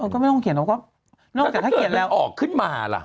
ก็ไม่ต้องเขียนแต่ถ้าเขียนแล้วออกขึ้นมาล่ะ